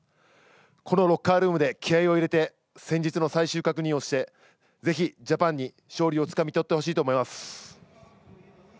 このロッカールームで気合いを入れて先日の最終確認をしてぜひジャパンに勝利をつかみとってほしいと思います。